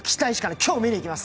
今日見に行きます！